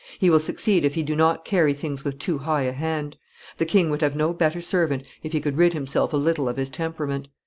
He will succeed if he do not carry things with too high a hand. The king would have no better servant, if he could rid himself a little of his temperament.